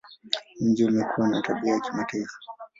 Mji umekuwa na tabia ya kimataifa.